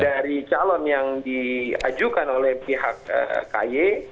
dari calon yang diajukan oleh pihak ky